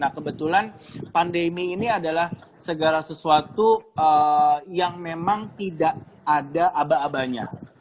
nah kebetulan pandemi ini adalah segala sesuatu yang memang tidak ada aba abanya